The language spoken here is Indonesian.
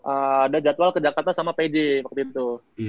ada jadwal ke jakarta sama pj waktu itu